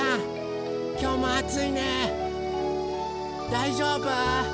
だいじょうぶ？